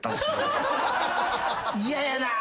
嫌やなぁ。